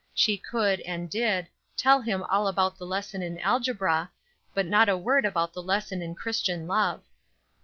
She could, and did, tell him all about the lesson in algebra, but not a word about the lesson in Christian love.